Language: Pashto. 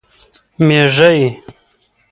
مېږی 🐜